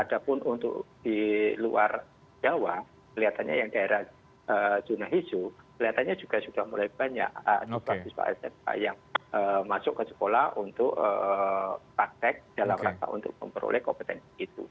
ada pun untuk di luar jawa kelihatannya yang daerah zona hijau kelihatannya juga sudah mulai banyak siswa siswa smk yang masuk ke sekolah untuk praktek dalam rangka untuk memperoleh kompetensi itu